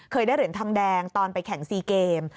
ได้เหรียญทองแดงตอนไปแข่ง๔เกม